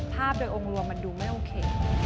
ภาพโดยองค์รวมมันดูไม่โอเค